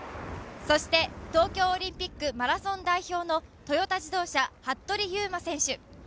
そして東京オリンピックマラソン代表のトヨタ自動車・服部勇馬選手